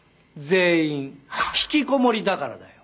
全員ひきこもりだからだよ。